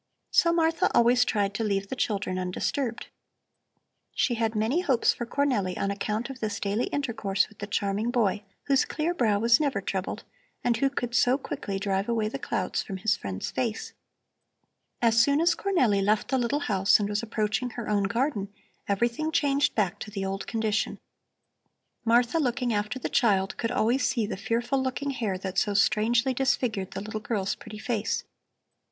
So Martha always tried to leave the children undisturbed. She had many hopes for Cornelli on account of this daily intercourse with the charming boy, whose clear brow was never troubled and who could so quickly drive away the clouds from his friend's face. As soon as Cornelli left the little house and was approaching her own garden, everything changed back to the old condition. Martha, looking after the child, could always see the fearful looking hair that so strangely disfigured the little girl's pretty face.